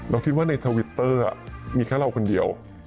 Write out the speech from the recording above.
คิดว่าในทวิตเตอร์มีแค่เราคนเดียว